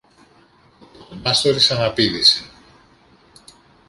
Ο πρωτομάστορης αναπήδησε.